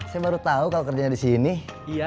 saya baru tahu kau kerja di sini iya